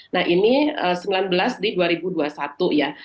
nah ini sembilan belas di dua ribu dua puluh satu ya